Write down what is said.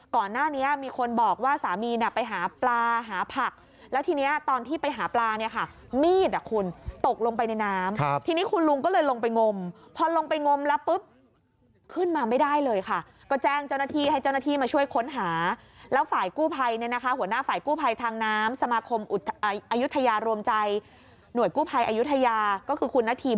ก่อนหน้านี้มีคนบอกว่าสามีเนี่ยไปหาปลาหาผักแล้วทีนี้ตอนที่ไปหาปลาเนี่ยค่ะมีดอ่ะคุณตกลงไปในน้ำทีนี้คุณลุงก็เลยลงไปงมพอลงไปงมแล้วปุ๊บขึ้นมาไม่ได้เลยค่ะก็แจ้งเจ้าหน้าที่ให้เจ้าหน้าที่มาช่วยค้นหาแล้วฝ่ายกู้ภัยเนี่ยนะคะหัวหน้าฝ่ายกู้ภัยทางน้ำสมาคมอายุทยารวมใจหน่วยกู้ภัยอายุทยาก็คือคุณนธี